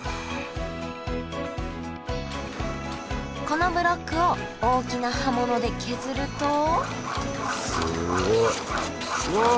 このブロックを大きな刃物で削るとすごい。